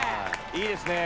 いいですねぇ。